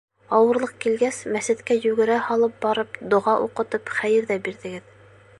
Ауырлыҡ килгәс, мәсеткә йүгерә һалып барып, доға уҡытып хәйер ҙә бирҙегеҙ.